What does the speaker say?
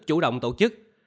chủ động tổ chức